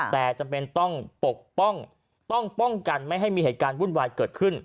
แต่จำเป็นต้องปกป้องต้องป้องกันไม่ให้มีเหตุการณ์วุ่นวายเกิดขึ้น